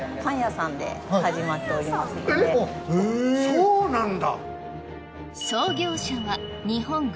えっ⁉そうなんだ！